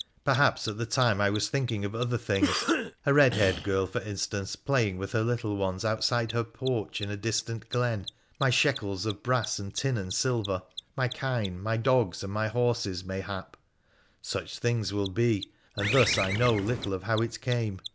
Perhaps, at the time, I was thinking of other things — a red haired girl, for instance, play ing with her little ones outside her porch in a distant glen ; my shekels of brass and tin and silver; my kine, my dogs, and my horses, mayhap ; such things will be — and thus I know little of how it came.